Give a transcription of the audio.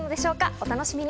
お楽しみに。